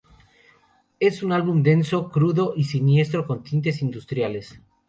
Es un álbum denso, crudo y siniestro, con tintes industriales.